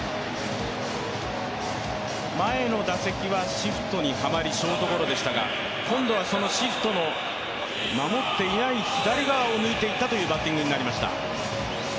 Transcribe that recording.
前の打席はシフトにはまり、ショートゴロでしたが、今度はシフトの守っていない左側を抜いていったというバッティングになりました。